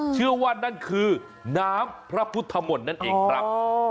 เชื่อว่านั่นคือน้ำพระพุทธมนต์นั่นเองครับ